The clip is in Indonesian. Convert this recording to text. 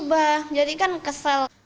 berubah jadi kan kesel